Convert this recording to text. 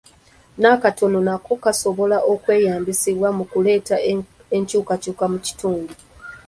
N'akatono nako kasobola okweyambisibwa mu kuleeta enkyukakyuka mu kitundu.